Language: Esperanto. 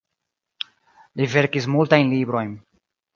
Li verkis multajn librojn.